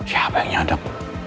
ya banyaknya hadap